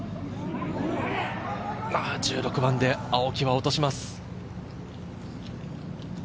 １６番で青木は落とします。